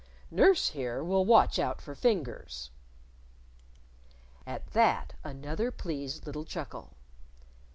Nurse, here, will watch out for fingers." At that, another pleased little chuckle.